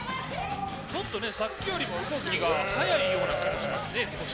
ちょっとさっきよりも動きが速い気もしますね。